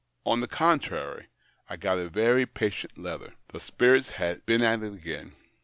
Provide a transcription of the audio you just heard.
On the contrary, I got a very patient letter. The spirits had been at it again.